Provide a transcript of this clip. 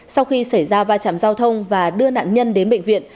sau khi xảy ra va chạm giao thông và đưa nạn nhân đến bệnh viện